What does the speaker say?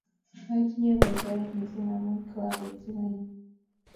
Matinye poipoiyet missing' amin kwaabet simennyu.